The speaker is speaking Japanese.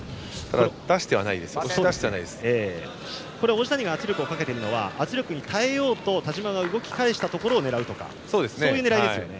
王子谷が圧力をかけているのは圧力に耐えようと田嶋が動き返したところを狙うとか、そういう狙いですよね。